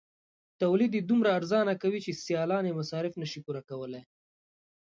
تولید یې دومره ارزانه کوي چې سیالان یې مصارف نشي پوره کولای.